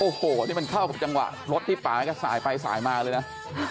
โอ้โหนี่มันเข้ากับจังหวะรถที่ป่าก็สายไปสายมาเลยนะ